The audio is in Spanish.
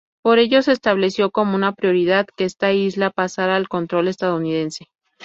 Por ello, se estableció como una prioridad que esta isla pasara al control estadounidense.